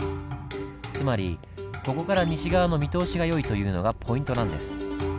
つまりここから西側の見通しが良いというのがポイントなんです。